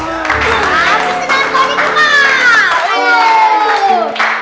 aku senang berada di rumah